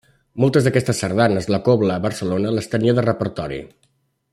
Moltes d'aquestes sardanes la Cobla Barcelona les tenia de repertori.